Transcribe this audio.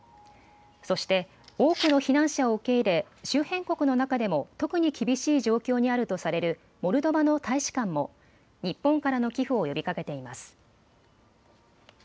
そして、多くの避難者を受け入れ周辺国の中でも特に厳しい状況にあるとされるモルドバの大使館も日本からの寄付を呼びかけています。